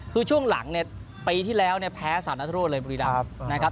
คือช่วงหลังเนี่ยปีที่แล้วเนี่ยแพ้สามารถรวดเลยบุรีรัมพ์นะครับ